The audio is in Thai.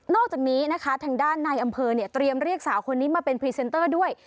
อกจากนี้นะคะทางด้านในอำเภอเนี่ยเตรียมเรียกสาวคนนี้มาเป็นพรีเซนเตอร์ด้วย